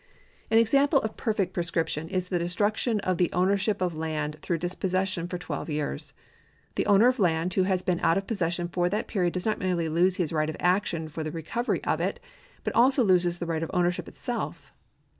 An example of perfect prescription is the destruction of the ownership of land through dispossession for twelve years. The owner of land who has been out of possession for that period does not merely lose his right of action for the reco very of it, but also loses the right of ownership itself.